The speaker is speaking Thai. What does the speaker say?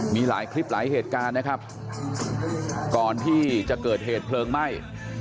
มีหลายคลิปหลายเหตุการณ์นะครับก่อนที่จะเกิดเหตุเพลิงไหม้